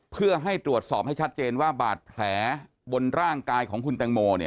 เพื่อให้ตรวจสอบให้ชัดเจนว่าบาดแผลบนร่างกายของคุณแตงโม